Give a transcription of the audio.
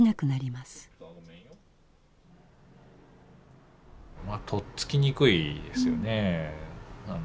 まあとっつきにくいですよね。